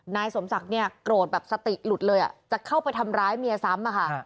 นายสมศักดิ์เนี่ยโกรธแบบสติหลุดเลยจะเข้าไปทำร้ายเมียซ้ำอะค่ะ